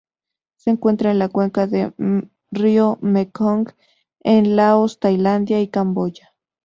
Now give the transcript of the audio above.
Se encuentra en la cuenca del río Mekong en Laos Tailandia y Camboya.